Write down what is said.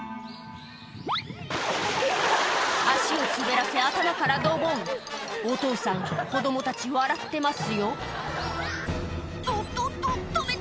足を滑らせ頭からドボンお父さん子供たち笑ってますよ「ととと止めて！